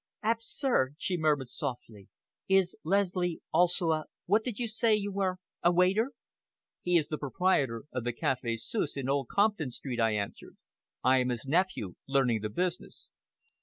"Absurd," she murmured softly. "Is Leslie also a what did you say you were? a waiter?" "He is the proprietor of the Café Suisse in Old Compton Street," I answered. "I am his nephew learning the business."